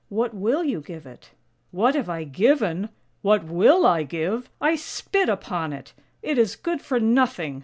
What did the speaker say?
What will you give it? "" What have I given? What will I give? I spit upon it! It is good for nothing!